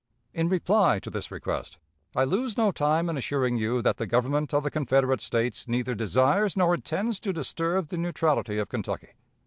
"In reply to this request, I lose no time in assuring you that the Government of the Confederate States neither desires nor intends to disturb the neutrality of Kentucky.